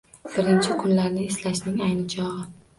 Birinchi kunlarni eslashning ayni chog`i